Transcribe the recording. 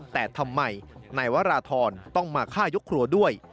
แต่ทำไมนายวราธรต้องมาฆ่ายกครัวด้วย